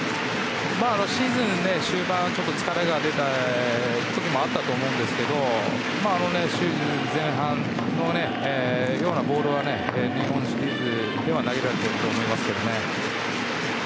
シーズン終盤はちょっと疲れが出た時もあったと思いますが前半のようなボールは日本シリーズでも投げられていると思いますね。